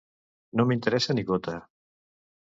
No m'interessa ni gota.